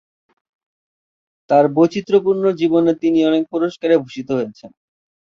তার বৈচিত্রপূর্ণ জীবনে তিনি অনেক পুরস্কারে ভূষিত হয়েছেন।